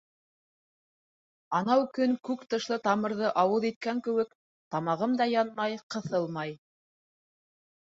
Анау көн күк тышлы тамырҙы ауыҙ иткән кеүек, тамағым да янмай, ҡыҫылмай.